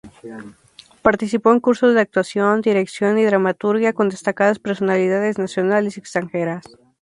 Participó en cursos de actuación, dirección y dramaturgia con destacadas personalidades nacionales y extranjeras.